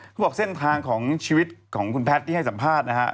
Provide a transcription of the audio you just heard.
เขาบอกเส้นทางของชีวิตของคุณแพทย์ที่ให้สัมภาษณ์นะฮะ